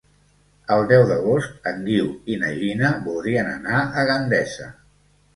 El deu d'agost en Guiu i na Gina voldrien anar a Gandesa.